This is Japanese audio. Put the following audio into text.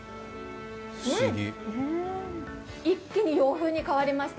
うん、一気に洋風に変わりました。